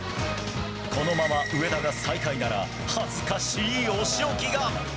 このまま上田が最下位なら恥ずかしいお仕置きが。